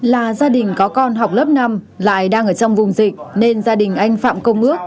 là gia đình có con học lớp năm lại đang ở trong vùng dịch nên gia đình anh phạm công ước